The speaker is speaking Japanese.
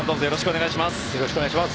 よろしくお願いします。